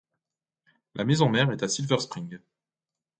La maison-mère est à Silver Spring.